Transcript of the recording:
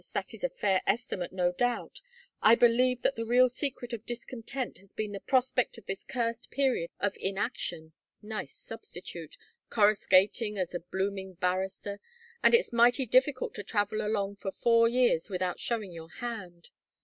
That is a fair estimate, no doubt! I believe that the real secret of discontent has been the prospect of this cursed period of inaction. Nice substitute coruscating as a blooming barrister; and it's mighty difficult to travel along for four years without showing your hand.